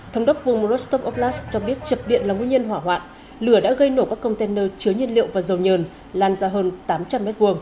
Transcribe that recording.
thống đốc vùng rostock oplas cho biết chập điện là nguyên nhân hỏa hoạn lửa đã gây nổ các container chứa nhiên liệu và dầu nhờn lan ra hơn tám trăm linh m hai